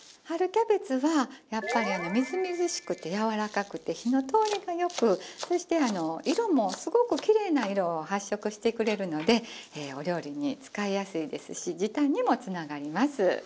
春キャベツはやっぱりみずみずしくてやわらかくて火の通りが良くそして色もすごくきれいな色発色してくれるのでお料理に使いやすいですし時短にもつながります。